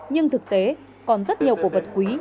nhưng thực tế còn rất nhiều cổ vật quý